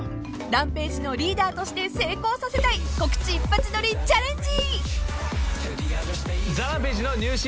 ［ＲＡＭＰＡＧＥのリーダーとして成功させたい告知一発撮りチャレンジ！］